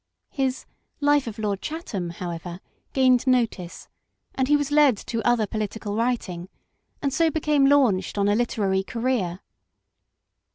His Life of Lord Chatham, however, gained notice, and he was led to other political writing, and so became launched on a literary career.